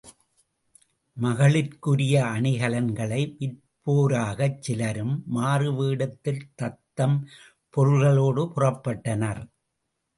மகளிர்க்கு உரிய அணிகலன்களை விற்போராகச் சிலரும், மாறு வேடத்தில் தத்தம் பொருள்களோடு புறப்பட்டனர்.